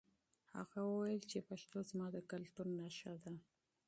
هغه وویل چې پښتو زما د کلتور نښه ده.